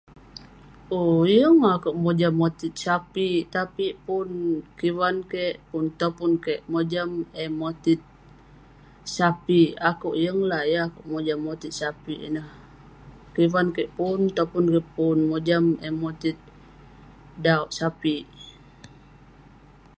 Owk..yeng akeuk mojam motit sape'..tapi'k pun kivan kik, pun topun kik, mojam eh motit sape'..akeuk yeng lah..yeng akeuk mojam motit sape'ineh..Kivan kik pun , topun kik pun..mojam eh motit dauwk sape'..